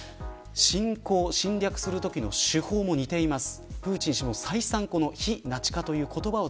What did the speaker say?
侵攻、侵略時の手法も似ています。